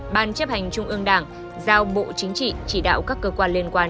ban chấp hành trung ương đảng giao bộ chính trị chỉ đạo các cơ quan liên quan